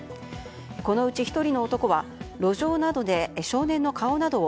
このうち１人の男は路上などで少年の顔などを